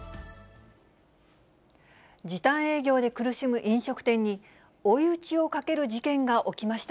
時短営業で苦しむ飲食店に、追い打ちをかける事件が起きました。